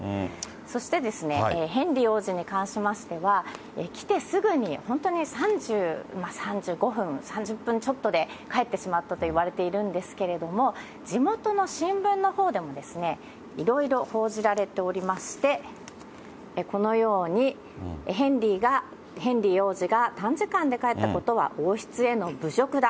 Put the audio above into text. そしてですね、ヘンリー王子に関しましては、来てすぐに、本当に３０、３５分、３０分ちょっとで帰ってしまったといわれているんですけれども、地元の新聞のほうでもいろいろ報じられておりまして、このように、ヘンリーが、ヘンリー王子が短時間で帰ったことは王室への侮辱だ。